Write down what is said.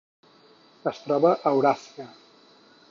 Es troba a Euràsia: